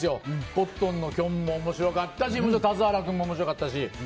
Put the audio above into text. コットンのきょんも面白かったしもちろん田津原君も面白かったし。